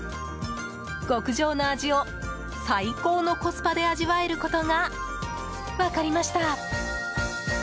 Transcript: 極上の味を最高のコスパで味わえることが分かりました。